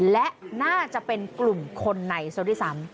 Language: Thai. และน่าจะเป็นกลุ่มคนในโซธิสัม